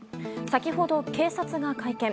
先ほど警察が会見。